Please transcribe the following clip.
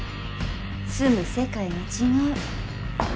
住む世界が違う。